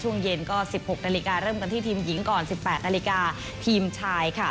ช่วงเย็นก็๑๖นาฬิกาเริ่มกันที่ทีมหญิงก่อน๑๘นาฬิกาทีมชายค่ะ